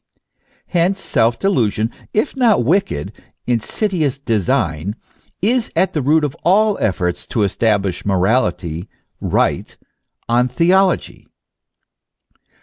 Hence self delusion, if not wicked, insidious design, is at the root of all efforts to establish morality, right, on theology.